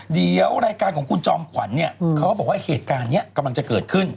เดี๋ยวรายการของคุณจอมขวัญเนี่ยเขาก็บอกว่าเหตุการณ์นี้กำลังจะเกิดขึ้น